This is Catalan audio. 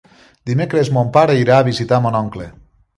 Dimecres mon pare irà a visitar mon oncle.